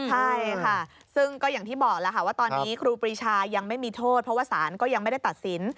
ใช่ค่ะซึ่งก็อย่างที่บอกแล้วค่ะว่าตอนนี้ครูปรีชายังไม่มีโทษเพราะว่าศาลก็ยังไม่ได้ตัดสิน